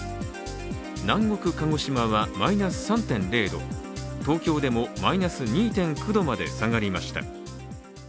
南国・鹿児島はマイナス３．０度東京でもマイナス２．９度まで下がりました。